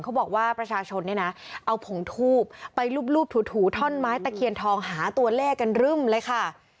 เขาบอกว่าประชาชนเนี่ยนะเอาผงทูบไปรูปถูท่อนไม้ตะเคียนทองหาตัวเลขกันรึ่มเลยค่ะ